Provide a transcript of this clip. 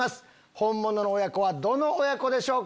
ホンモノの親子はどの親子でしょうか。